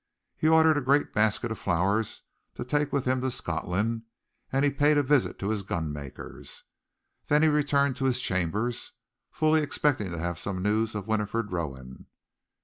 He ordered a great basket of flowers to take with him to Scotland, and paid a visit to his gunmaker's. Then he returned to his chambers, fully expecting to have some news of Winifred Rowan.